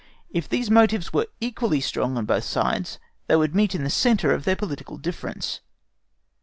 If these motives were equally strong on both sides, they would meet in the centre of their political difference.